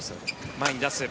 前に出す。